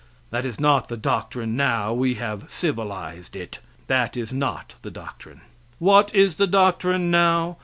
That is not the doctrine now; we have civilized it. That is not the doctrine. What is the doctrine now?